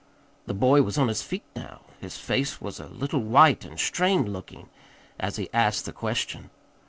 The boy was on his feet now. His face was a little white and strained looking, as he asked the question.